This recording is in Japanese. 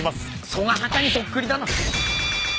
曽ヶ端にそっくりだな。